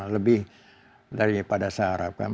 lebih daripada saya harapkan